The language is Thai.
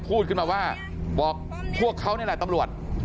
พูดขึ้นมาว่าบอกพวกเขานี่แหละตำรวจ